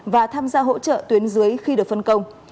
và tham gia hỗ trợ tuyến dưới khi được phân công